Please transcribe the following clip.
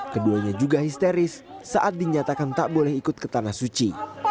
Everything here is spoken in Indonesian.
keduanya juga histeris saat dinyatakan tak boleh ikut ke tanah suci